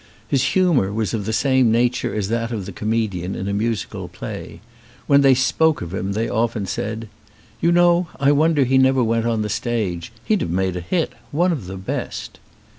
His humour was of the same nature as that of the comedian in a musical play. When they spoke of him they often said: "You know, I wonder he never went on the stage. He'd have made a hit. One of the best."